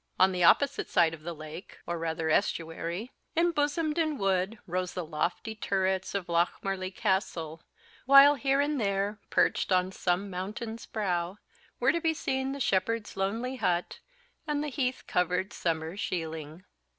On the opposite side of the lake, or rather estuary, embosomed in wood, rose the lofty turrets of Lochmarlie Castle; while here and there, perched on some mountain's brow, were to be seen the shepherd's lonely hut, and the heath covered summer shealing.